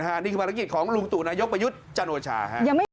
นี่คือภารกิจของลุงตู่นายกประยุทธ์จันโอชา